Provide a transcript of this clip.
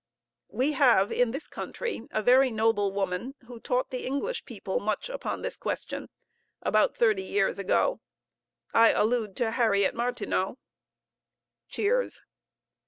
We have in this country a very noble woman, who taught the English people much upon this question, about thirty years ago; I allude to Harriet Martineau. (Cheers.)